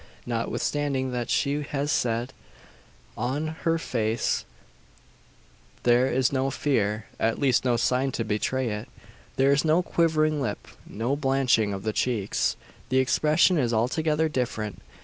Notwithstanding what she has said, on her face there is no fear at least no sign to betray it. There is no quivering lip no blanching of the cheeks. The expression is altogether different.